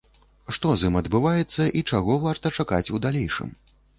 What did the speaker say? Што з ім адбываецца і чаго варта чакаць у далейшым?